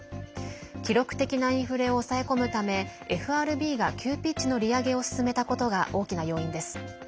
記録的なインフレを抑え込むためＦＲＢが急ピッチの利上げを進めたことが大きな要因です。